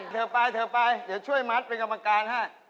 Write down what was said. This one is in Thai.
เธอไปเธอไปเดี๋ยวช่วยมัดเป็นกรรมการให้